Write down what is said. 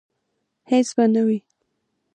هیڅ به نه وي